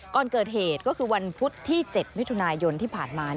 ก่อนเกิดเหตุก็คือวันพุธที่๗มิถุนายนที่ผ่านมา